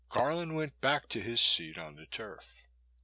Garland went back to his seat on the turf.